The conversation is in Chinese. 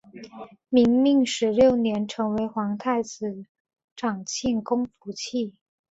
明命十六年成为皇长子长庆公府妾。